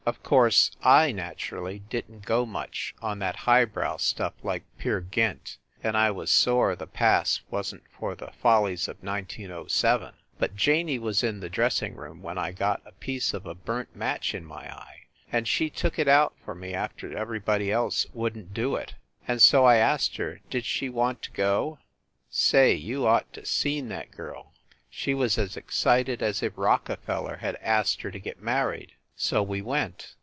Of course, I nat urally didn t go much on that high brow stuff like "Peer Gynt," and I was sore the pass wasn t for the "Follies of 1907." But Janey was in the dressing room when I got a piece of a burnt match in my eye, and she took it out for me after everybody else wouldn t do it, and so I asked her did she want to go. Say, you ought to seen that girl! She was as excited as if Rockefeller had asked her to get mar ried. So we went.